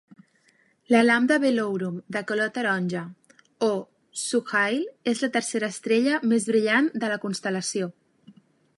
La Lambda Velourum de color taronja, o Suhail, és la tercera estrella més brillant de la constel·lació.